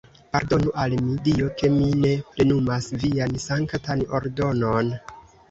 Pardonu al mi, Dio, ke mi ne plenumas vian sanktan ordonon!